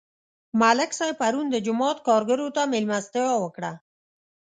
ملک صاحب پرون د جومات کارګرو ته مېلمستیا وکړه.